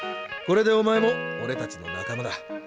これでお前もオレたちの仲間だ。